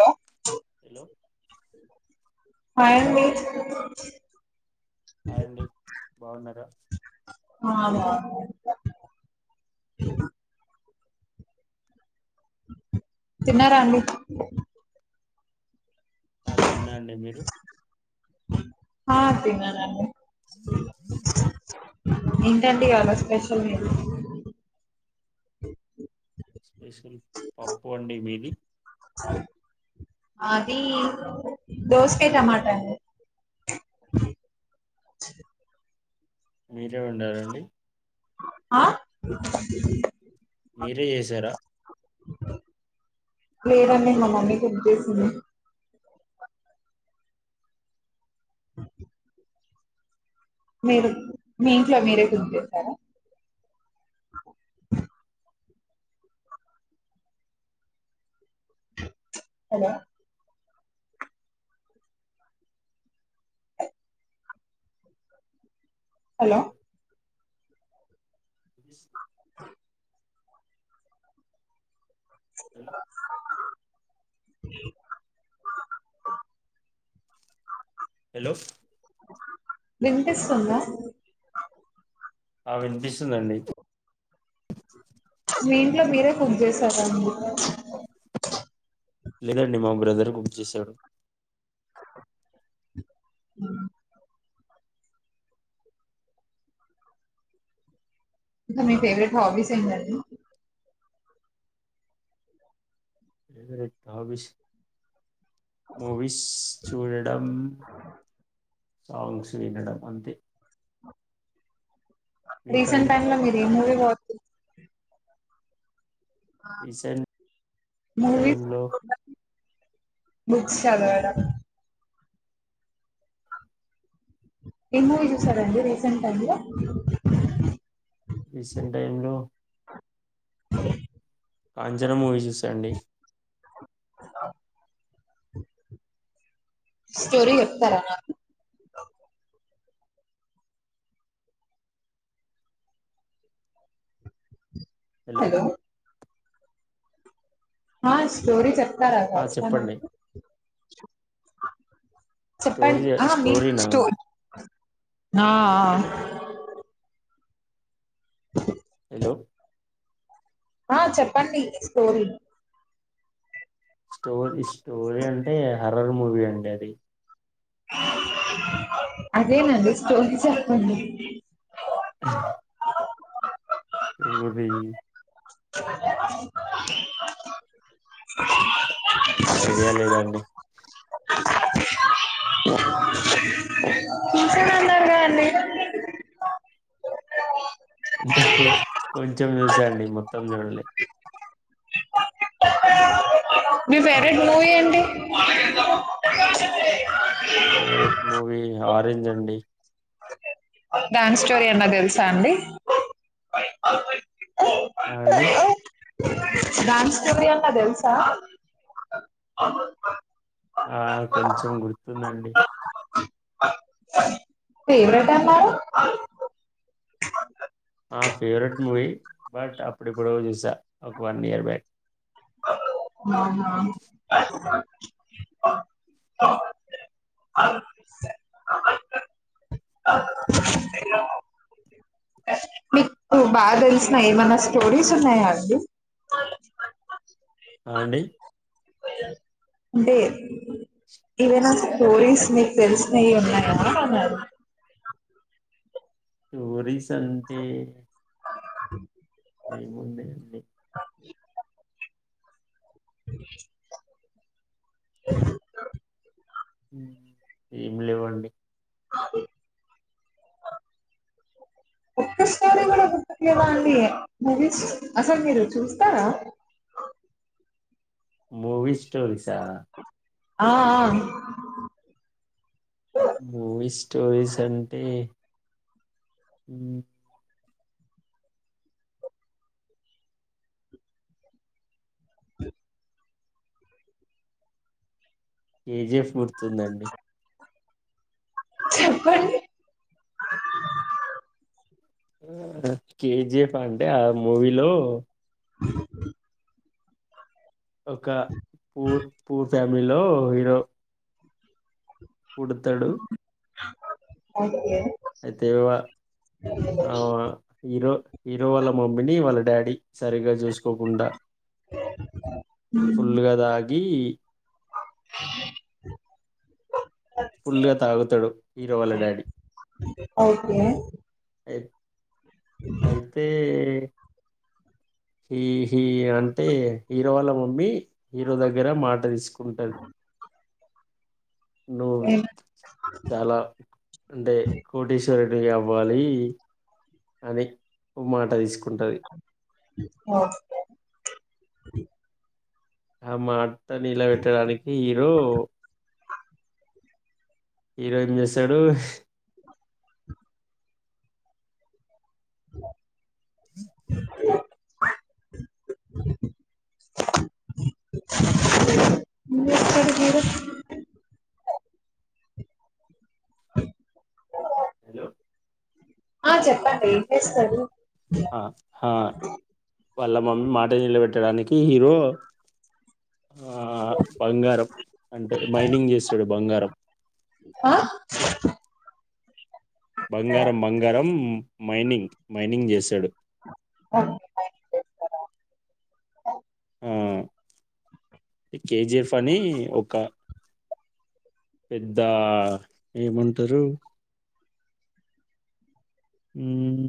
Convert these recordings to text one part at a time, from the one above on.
Hello hello hi అండీ hi అండి బాగున్నార అ అవును తిన్నారా అండి ఆ తిన్నాండి మీరు హా తిన్నానండి ఏంటండి ఇవాల స్పెషల్ మీరు స్పెషల్ పప్పు అండి మీది సయ్ అది దోసకయ్ టమాటా అండి మీరే వండారండి ఆ మీరే చేసారా లేదండి మా మమ్మీ హెల్ప్ చేసింది అ మీరు మీ ఇంట్లో మీరే కుక్ చేస్తారా హలో హలో వి [inaudible] హలో విన్పిస్తుంద ఆ వినిపిస్తుందండి మీ ఇంట్లో మీరే కుక్ చేసారాండి లేదండి మా బ్రదరే కుక్ చేసేవారు [unintelligible] ఇంకా మీ ఫేవరెట్ హాబీస్ ఏంటండి హాబిస్ మూవీస్ చూడడం సాంగ్స్ వినడం అంతే రీసెంట్ మీకండి టైమ్లో మీరు ఏ మూవీ వాచ్ రీసెంట్ మూవీస్ టైమ్లో బాక్స్ చదవడం ఏ మూవీ చూశారండీ రీసెంట్ టైంలో రీసెంట్ టైమ్ లో [inaudible] కాంచన మూవీ చూసాండి [inaudible] స్టోరీ చెప్తారా హలో ఆ స్టోరీ చెప్తారా ఆ కాస్తా చెప్పండి నాకు చెప్పండ్ స్టోరీ ఆ మీ స్టోరీనా స్టో హ హ [inaudible] హలో ఆ చెప్పండి స్టోరీ స్టోరీ స్టోరీ అంటే హర్రర్ మూవీ అండి అది అదేనండి స్టోరీ చెప్పండి ఆ స్టోరీ [inaudible] అంత ఐడియా లేదాండి చూశానన్నారు కదండీ అంటే కొంచెం చూసాండి మొత్తం చూడ్లే మీ ఫేవరెట్ మూవీ ఏంటి ఫేవరెట్ మూవీ ఆరెంజ్ అండి డ్యాన్స్ స్టోరీ అన్నా తెలుసా అండి ఆ అండి దాని స్టోరీ అన్నా తెలుసా ఆ కొంచెం గుర్తుందండి ఫేవరెట్ అన్నారు ఆ ఫేవరెట్ మూవీ బట్ అప్పుడెప్పుడో చూసా ఒక వన్ ఇయర్ బ్యాక్ ఆహా [inaudible] మీకు బాగా తెలిసిన ఏమనా స్టోరీస్ ఉన్నాయా అండి ఆ అండి అంటే ఏవైనా స్టోరీస్ నికు తెలిసినయి ఉన్నాయా అన్నారు స్టోరీస్ అంటే ం ఏముంది అండి [inaudible] [inaudible] మ్మ్ ఏం లేవండి అ [inaudible] ఒక్క సారి గుర్తులేదా అండి మువీస్ అస్సలు మీరు చూస్తారా [inaudible] మూవీ స్టోరీసా ఆ ఆ మూవీ స్టోరీస్ అంటే అ కేజిఎఫ్ గుర్తుందండి చెప్పండి కేజీఎఫ్ అంటే ఆ మూవీలో ఒక పూర్ పూర్ ఫ్యామిలీలో హీరో పుడతడు అ అయితే ఆ హీరో హీరో వాళ్ళ మమ్మీని వాళ్ళ డాడీ సరిగ్గా చూసుకోకుండా ఫుల్గా తాగి ఫుల్ గా తాగుతాడు హీరో వాళ్ల డాడీ అయితే అయి అయితే హి హీ అంటే హీరో వాళ్ళ మమ్మీ హీరో దగ్గర మాట తీసుకు ఉంటది నువ్వు ఏం చాలా అంటే కోటేశ్వరుడివి అవ్వాలి అని మాట తీసుకుంటాది ఆఓ ఆ మాట నిల బెట్టడానికి హీరో హీరో ఏం చేసాడు ఏం చేస్తాడు హీరో అ హలో ఆ చెప్పండి ఏం చేస్తారు ఆ హా వాళ్ళ మమ్మీ మాట నిలబెట్టడానికి హీరో ఆ బంగారం అంటే మైనింగ్ చేసాడు బంగారం ఆ బంగారం బంగారం మైనింగ్ మైనింగ్ జేశాడు మైనింగ్ చేస్తాడ మ్మ్ కేజీఎఫ్ అని ఒక పెద్ద ఏమంటరు హ్మ్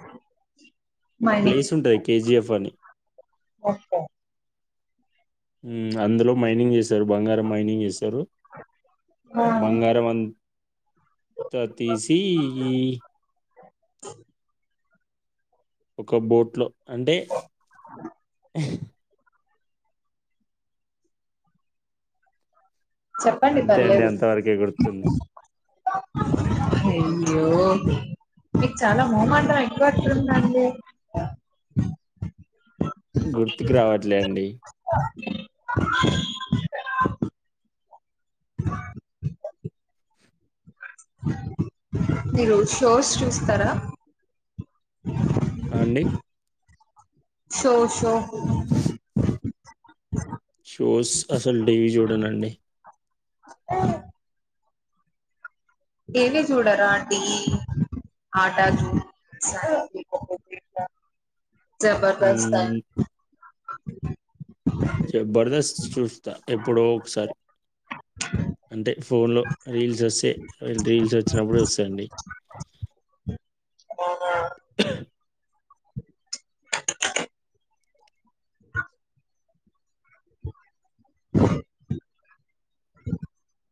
అ ఒక ప్లేస్ ఉంటది కేజిఎఫ్ అని ఓకే మ్ అందులో మైనింగ్ చేస్తారు బంగారం మైనింగ్ చేస్తారు ఆ బంగారం అం త తీసి ఈ ఒక బోట్లో అంటే చెప్పండి అంతే అండి పర్లేదు అంతవరకే గుర్తుంది అయ్యో మీకు చాలా మోమాటం ఎక్కుట్ందండి గుర్తుకు రావట్లే అండి [unintelligible] మీరు షోస్ చూస్తారా [inaudible] హ అండి షో షో షో అసలు టీవీ చూడంనండి ఆ ఏమ చూడారు ఆంటీ ఆట జు [unintelligible] జబర్దస్త హ్మ్. బరదస్ చూస్తా ఎప్పుడో ఒకసారి అంటే ఫోన్లో రీల్స్ వస్తే రీల్స్ వచ్చినప్పుడు వస్తాయంండి అ [inaudible] అ [unintelligible] [inaudible]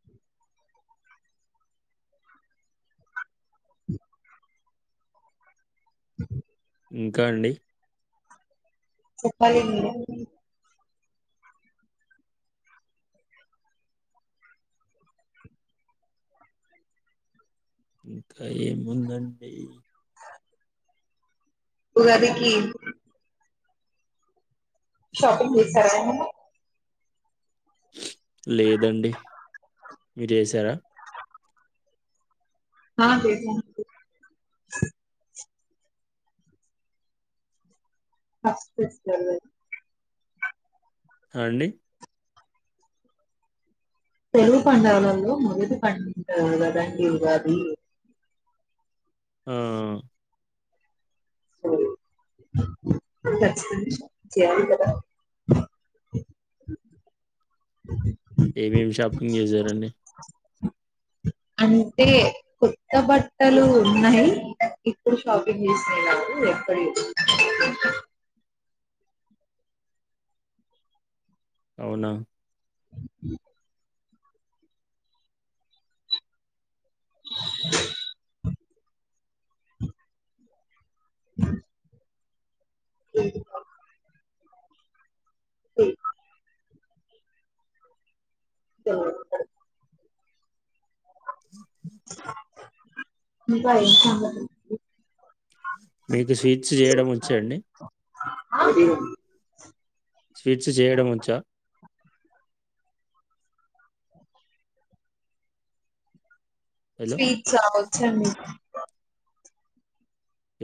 [inaudible] [inaudible] ఇంకా అండి చెప్పది మీరే ఇంకా ఏముందండి ఉగాది కి షాపింగ్ చేసారా అండి లేదండి మీరు చేసారా అ చేసాను అండి [unintelligible] అ అండి తెలుగు పండగలంలో మొదటి పందంగాది ఆ [unintelligible] [inaudible] ఏమేమి షాపింగ్ చేసారడి అంటే కొత్త బట్టలు ఉన్నాయి ఇప్పుడు షాపింగ్ చేసినాయి నాకు ఎప్పుడ అవునా [inaudible] [inaudible] [inaudible] [inaudible] [inaudible] [unintelligible] [inaudible] ఇకా మీకు స్వీట్స్ చేయడం వంచండి [unintelligible] స్వీట్స్ చేయడముంచా వచ్చా హలో! స్వీట్స్ అ వచ్చు అండి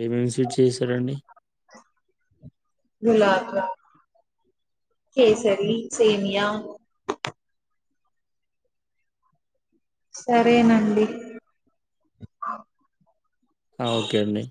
ఏమేం సీట్ చేశారు అండి గులాకా కేసర సేనియా సరేనండి ఆ ఓకే అండి